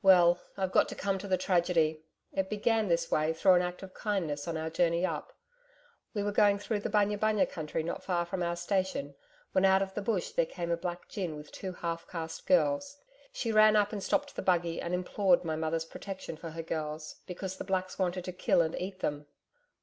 'Well, I've got to come to the tragedy. It began this way through an act of kindness on our journey up. We were going through the bunya bunya country not far from our station, when out of the Bush there came a black gin with two half caste girls, she ran up and stopped the buggy and implored my mother's protection for her girls because the Blacks wanted to kill and eat them.'